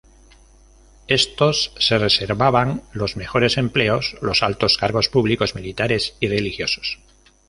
Estos se reservaban los mejores empleos, los altos cargos públicos, militares y religiosos.